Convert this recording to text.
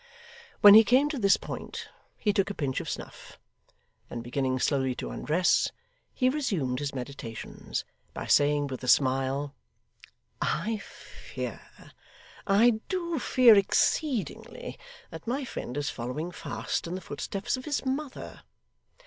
When he came to this point, he took a pinch of snuff; then beginning slowly to undress, he resumed his meditations, by saying with a smile: 'I fear, I DO fear exceedingly, that my friend is following fast in the footsteps of his mother.